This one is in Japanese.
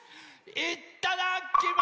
いっただきま！